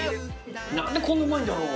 何でこんなうまいんだろう？